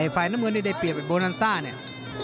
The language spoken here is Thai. ไฟน้ำมือเปรียบโบนัสซ่าเนี่ย